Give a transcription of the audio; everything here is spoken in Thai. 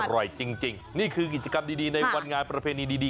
อร่อยจริงนี่คือกิจกรรมดีในวันงานประเพณีดี